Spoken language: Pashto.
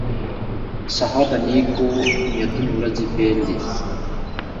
سهار د نیکو نیتونو ورځې پیل دی.